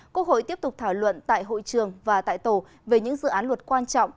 quốc hội tiếp tục thảo luận tại hội trường và tại tổ về những dự án luật quan trọng